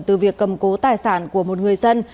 từ việc cầm cố tài sản của một người dân